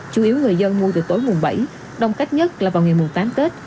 chủ yếu người dân mua từ tối mùng bảy đông cách nhất là vào ngày mùng tám tết